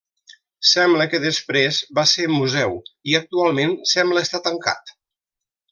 Sembla que després va esser museu i actualment sembla estar tancat.